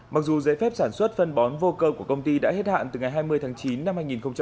mặc dù giấy phép sản xuất phân bón vô cơ của công ty đã hết hạn từ ngày hai mươi tháng chín năm hai nghìn hai mươi